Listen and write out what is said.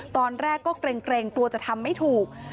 ตอนแรกก็เกร็งกลัวจะทำไม่ถูก